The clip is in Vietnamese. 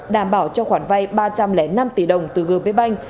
đảm bảo cho khoản vay ba trăm linh năm tỷ đồng từ gp bank